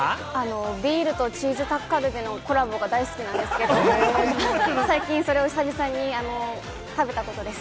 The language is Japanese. ビールとチーズタッカルビのコラボが大好きなんですけれども、最近それを久々に食べたことです。